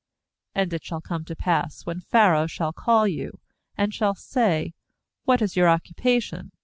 ^And it shall come to pass, when Pharaoh shall call you, and shall say: What is your oc cupation?